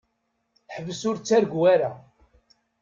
Ḥbes ur ttargu ara.